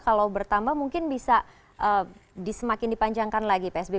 kalau bertambah mungkin bisa semakin dipanjangkan lagi psbb